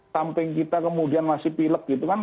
samping kita kemudian masih pilek gitu kan